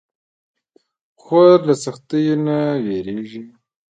خور له سختیو نه نه وېریږي.